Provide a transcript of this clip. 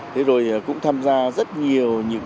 thế rồi cũng tham gia rất nhiều những